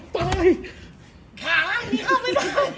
ไปทำไม